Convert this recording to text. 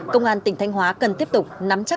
công an tỉnh thanh hóa cần tiếp tục nắm chắc